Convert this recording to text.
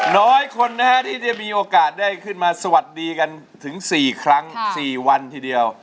น้อยคนนะฮะที่จะมีโอกาสได้ขึ้นมาสวัสดีกันถึง๔ครั้ง๔วันทีเดียว